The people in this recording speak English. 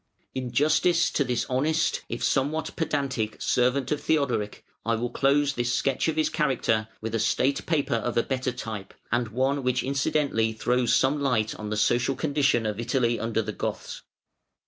In justice to this honest, if somewhat pedantic, servant of Theodoric, I will close this sketch of his character with a state paper of a better type, and one which incidentally throws some light on the social condition of Italy under the Goths.